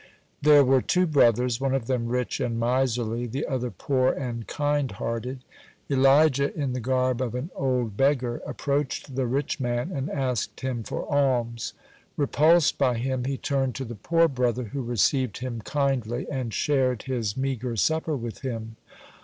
(63) There were two brothers, one of them rich and miserly, the other poor and kind hearted. Elijah, in the garb of an old beggar, approached the rich man, and asked him for alms. Repulsed by him, he turned to the poor brother, who received him kindly, and shared his meagre supper with him.